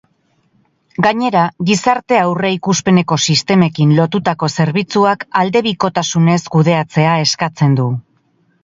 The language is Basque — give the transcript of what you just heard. Gainera, gizarte aurreikuspeneko sistemekin lotutako zerbitzuak aldebikotasunez kudeatzea eskatzen du.